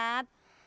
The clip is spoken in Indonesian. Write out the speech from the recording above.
nanti aku akan tanya